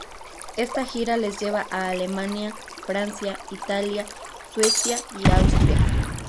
Esta gira les lleva a Alemania, Francia, Italia, Suiza y Austria.